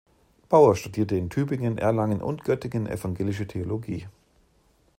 Baur studierte in Tübingen, Erlangen und Göttingen Evangelische Theologie.